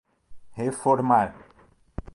reformar